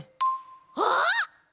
あっ！